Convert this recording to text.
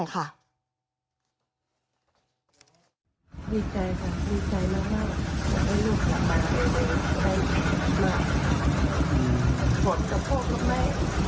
ดีใจค่ะดีใจมากมากให้ลูกอย่างมันให้หลวงกับพ่อกับแม่